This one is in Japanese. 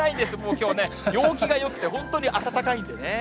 きょうね、陽気がよくて、本当に暖かいんでね。